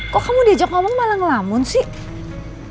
kok kamu diajak ngomong malah ngelamun sih